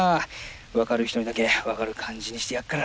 分かる人にだけ分かる感じにしてやっから！